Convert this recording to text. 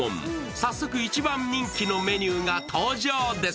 早速、一番人気のメニューが登場です。